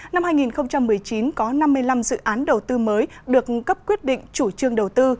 năm hai nghìn một mươi chín có năm mươi năm dự án đầu tư mới được cấp quyết định chủ trương đầu tư